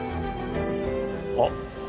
あっ。